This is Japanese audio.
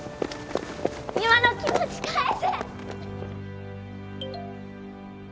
今の気持ち返せ！